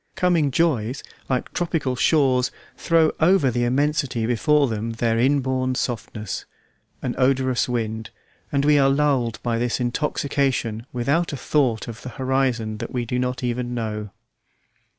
Coming joys, like tropical shores, throw over the immensity before them their inborn softness, an odorous wind, and we are lulled by this intoxication without a thought of the horizon that we do not even know.